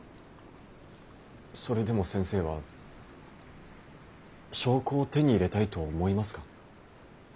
それでも先生は証拠を手に入れたいと思いますか？